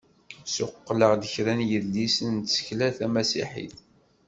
Suqleɣ-d kra n yidlisen si tsekla tamasiḥit.